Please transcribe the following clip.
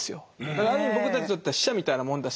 だからある意味僕たちにとっては死者みたいなもんだし。